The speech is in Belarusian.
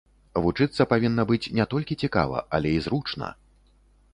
Вучыцца павінна быць не толькі цікава, але і зручна.